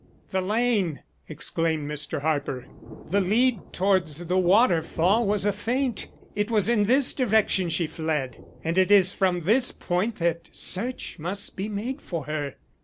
"The lane!" exclaimed Mr. Harper. "The lead towards the waterfall was a feint. It was in this direction she fled, and it is from this point that search must be made for her."